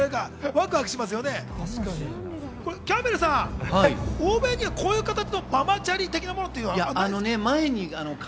キャンベルさん、欧米には、こういう形のママチャリ的なものはありますか？